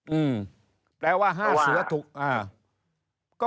อืมแปลว่า๕เสือถูก